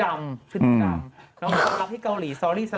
เป็นการกระตุ้นการไหลเวียนของเลือด